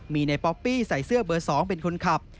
มีในป๊อปปี้ใส่เสื้อเบอร์๒เป็นคนขับ